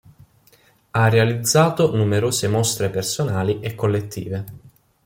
Ha realizzato numerose mostre personali e collettive.